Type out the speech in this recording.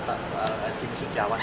tentang jimmy sujawan